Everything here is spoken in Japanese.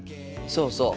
そうそう。